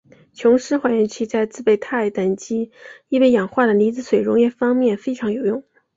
琼斯还原器在制备钛等极易被氧化的离子水溶液方面非常有用。